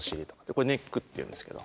これネックっていうんですけど。